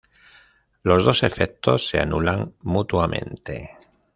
Los dos efectos se anulan mutuamente.